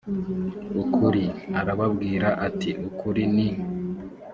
ukuri arababwira ati uku ni